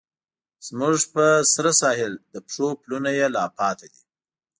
زموږ په سره ساحل، د پښو پلونه یې لا پاتې دي